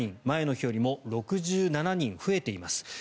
前の日よりも６７人増えています。